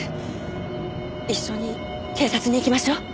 一緒に警察に行きましょう。